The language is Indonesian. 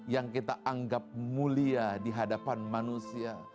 yang kita anggap mulia di hadapan manusia